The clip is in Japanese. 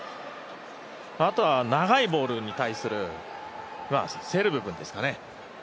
あとは、長いボールに対する競る部分ですかね。